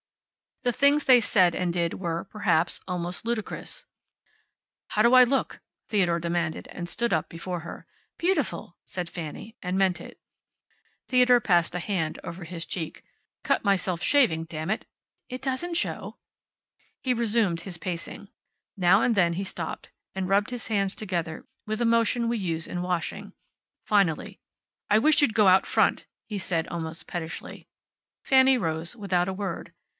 The things they said and did were, perhaps, almost ludicrous. "How do I look?" Theodore demanded, and stood up before her. "Beautiful!" said Fanny, and meant it. Theodore passed a hand over his cheek. "Cut myself shaving, damn it!" "It doesn't show." He resumed his pacing. Now and then he stopped, and rubbed his hands together with a motion we use in washing. Finally: "I wish you'd go out front," he said, almost pettishly. Fanny rose, without a word.